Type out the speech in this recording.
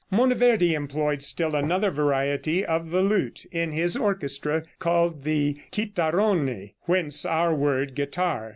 Monteverde employed still another variety of the lute in his orchestra, called the Chitarrone, whence our word guitar.